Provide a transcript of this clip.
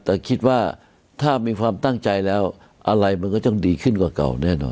แต่คิดว่าถ้ามีความตั้งใจแล้วอะไรมันก็ต้องดีขึ้นกว่าเก่าแน่นอน